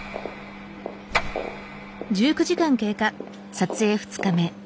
撮影２日目。